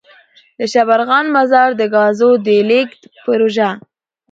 دشبرغان -مزار دګازو دلیږد پروژه.